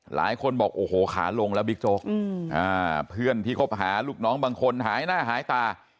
หลายคนบอกโอ้โหขาลงแล้วบิ๊กโจ๊กเพื่อนที่คบหาลูกน้องบางคนหายหน้าหายตา